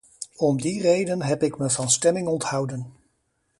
Om die reden heb ik me van stemming onthouden.